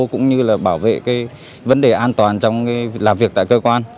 cũng như là bảo vệ cái vấn đề an toàn trong làm việc tại cơ quan